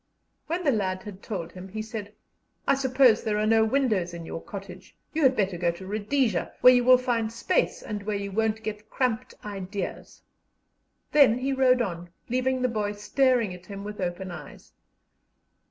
When the lad had told him, he said: "I suppose there are no windows in your cottage; you had better go to Rhodesia, where you will find space, and where you won't get cramped ideas." Then he rode on, leaving the boy staring at him with open eyes.